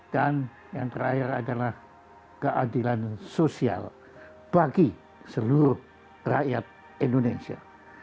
dan yang terakhir adalah keadilan sosial bagi seluruh rakyat indonesia